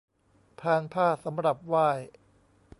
พานผ้าสำหรับไหว้